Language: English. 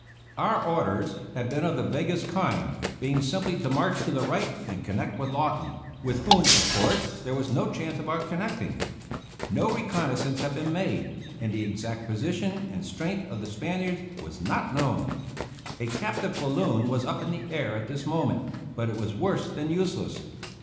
Our orders had been of the vaguest kind, being simply to march to the right and connect with Lawton — with whom, of course, there was no chance of our connecting. No reconnoissance had been made, and the exact position and strength of the Spaniards was not known. A captive bal loon was up in the air at this moment, but it was worse than useless.